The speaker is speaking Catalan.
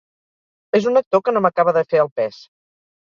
És un actor que no m'acaba de fer el pes.